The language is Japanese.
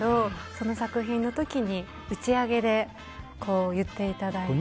その作品の時に打ち上げで言っていただいて。